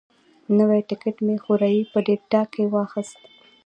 نوی ټکټ مې خوریي په ډیلټا کې واخیست.